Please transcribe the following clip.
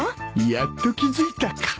やっと気付いたか